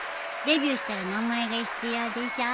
デビューしたら名前が必要でしょ。